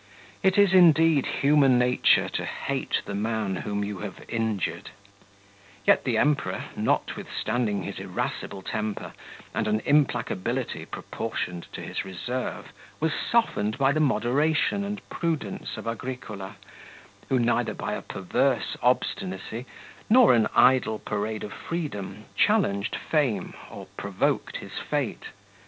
It is, indeed, human nature to hate the man whom you have injured; yet the Emperor, notwithstanding his irascible temper and an implacability proportioned to his reserve, was softened by the moderation and prudence of Agricola, who neither by a perverse obstinacy nor an idle parade of freedom challenged fame or provoked his fate.